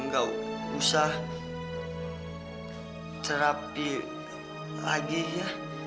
nggak usah terapi lagi ya